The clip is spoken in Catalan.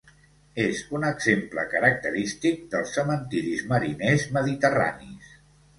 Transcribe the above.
És un exemple característic dels cementiris mariners mediterranis.